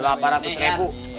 dua ratus ribu